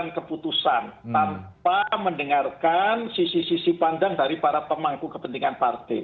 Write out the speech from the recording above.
memberikan keputusan tanpa mendengarkan sisi sisi pandang dari para pemangku kepentingan partai